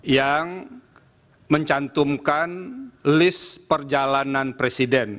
yang mencantumkan list perjalanan presiden